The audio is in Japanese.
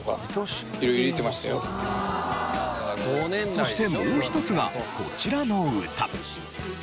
そしてもう一つがこちらの歌。